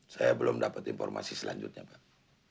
saya belum dapat informasi selanjutnya pak